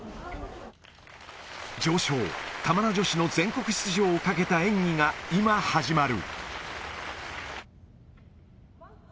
常勝、玉名女子の全国出場をかけた演技が今始まる。